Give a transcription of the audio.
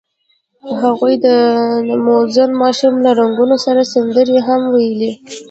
هغوی د موزون ماښام له رنګونو سره سندرې هم ویلې.